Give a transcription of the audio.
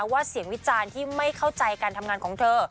ว่าเสียงวิจารณ์ที่ไม่เข้าใจการทำงานของเธอ